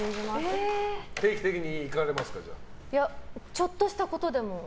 ちょっとしたことでも。